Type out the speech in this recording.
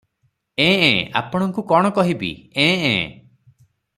ଏଁ ଏଁ- ଆପଣଙ୍କୁ କଣ କହିବି- ଏଁ- ଏଁ ।